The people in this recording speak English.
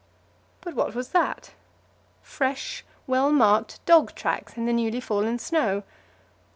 But what was that? Fresh, well marked dog tracks in the newly fallen snow.